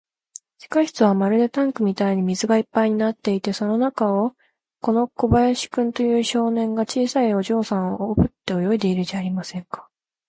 地下室はまるでタンクみたいに水がいっぱいになっていて、その中を、この小林君という少年が、小さいお嬢さんをおぶって泳いでいるじゃありませんか。